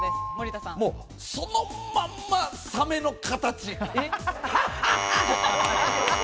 そのまんま、サメの形。